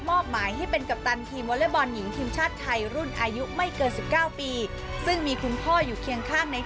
มอบหมายให้เป็นกัปตันทีมวอเรบอลหญิงทีมชาติไทย